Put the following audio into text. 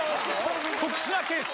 ・特殊なケース・